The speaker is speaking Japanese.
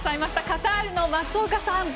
カタールの松岡さん。